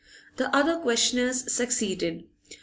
Other questioners succeeded.